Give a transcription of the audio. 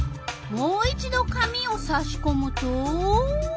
もう一ど紙をさしこむと？